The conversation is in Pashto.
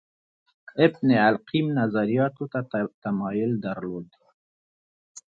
ابن القیم نظریاتو ته تمایل درلود